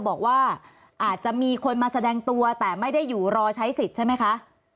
บอกว่าอาจจะมีคนมาแสดงตัวแต่ไม่ได้อยู่รอใช้สิทธิ์ใช่ไหมคะ